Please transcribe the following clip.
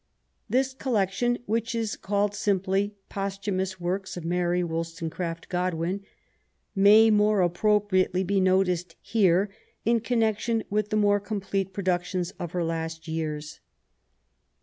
This collection, which is called simply Posthumous Works of Mary WoUstonecraft Godwin, may more appropriately be noticed here in connection with the more complete productions of her last years.